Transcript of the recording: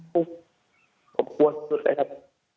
ปุ๊บผมกลัวสุดเลยครับ